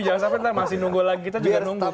jangan sampai nanti masih nunggu lagi kita juga nunggu